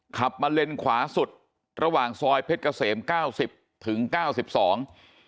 ขับมาเลนขวาสุดระหว่างซอยเพชรเกษม๙๐ถึง๙๒